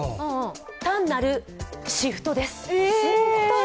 単なるシフトです。